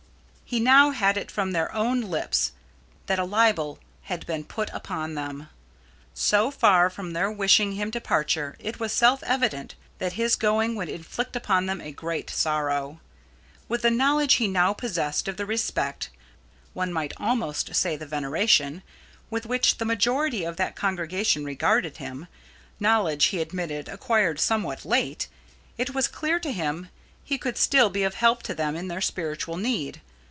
He now had it from their own lips that a libel had been put upon them. So far from their wishing his departure, it was self evident that his going would inflict upon them a great sorrow. With the knowledge he now possessed of the respect one might almost say the veneration with which the majority of that congregation regarded him knowledge, he admitted, acquired somewhat late it was clear to him he could still be of help to them in their spiritual need.